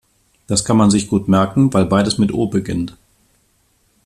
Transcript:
Das kann man sich gut merken, weil beides mit O beginnt.